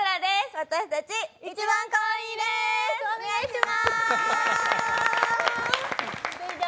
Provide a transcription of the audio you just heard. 私たち、いちばんかわいいです！